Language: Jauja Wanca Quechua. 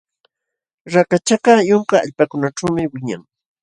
Rakachakaq yunka allpakunaćhuumi wiñan.